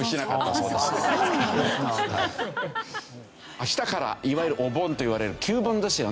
明日からいわゆるお盆といわれる旧盆ですよね。